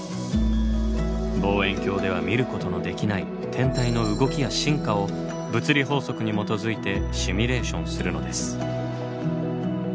望遠鏡では見ることのできない天体の動きや進化を物理法則に基づいてシミュレーションするのです。